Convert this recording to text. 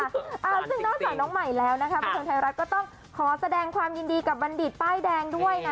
ซึ่งนอกจากน้องใหม่แล้วนะคะบันเทิงไทยรัฐก็ต้องขอแสดงความยินดีกับบัณฑิตป้ายแดงด้วยนะ